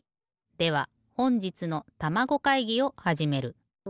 ではほんじつのたまご会議をはじめる。